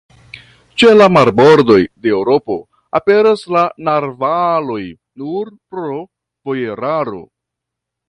Ĉe la bordoj de Eŭropo aperas la narvaloj nur pro vojeraro.